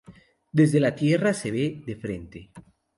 Desde la Tierra se ve de frente.